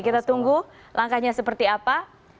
kita tunggu langkahnya seperti apa